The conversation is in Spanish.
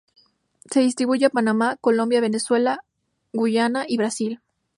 Se distribuye en Panamá, Colombia, Venezuela, Guyana y Brasil.